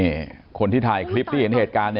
นี่คนที่ถ่ายคลิปที่เห็นเหตุการณ์